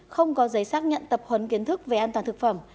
không có giấy xác nhận tập huấn kiến thức về an toàn thực phẩm